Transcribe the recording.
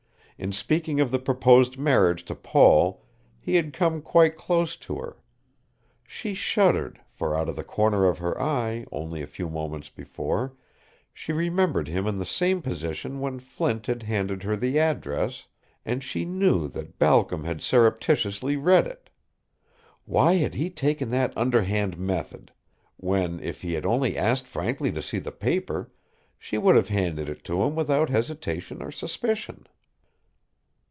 In speaking of the proposed marriage to Paul he had come quite close to her. She shuddered, for, out of the corner of her eye, only a few moments before, she remembered him in the same position when Flint had handed her the address, and she knew that Balcom had surreptitiously read it. Why had he taken that underhand method when, if he had only asked frankly to see the paper, she would have handed it to him without hesitation or suspicion.